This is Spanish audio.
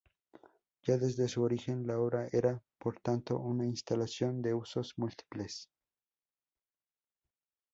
Ya desde su origen la obra era, por tanto, una instalación de usos múltiples.